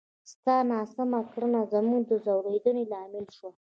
ستا ناسمه کړنه زموږ د ځورېدنې لامل شوه!